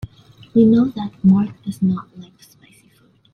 We know that Mark does not like spicy food.